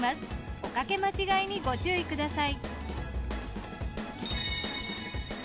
おかけ間違えにご注意ください。